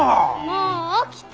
もう起きた。